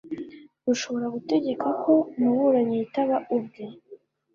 rushobora gutegeka ko umuburanyi yitaba ubwe